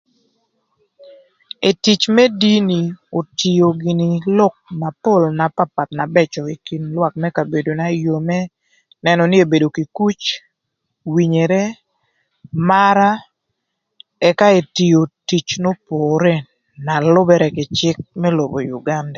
Etic më dini otio gïnï lok na pol na papath na bëcö ï kin lwak më kabedona ï yoo më nënö nï ebedo kï kuc, winyere, mara ëka etio tic n'opore na lübërë kï cïk më lobo Uganda.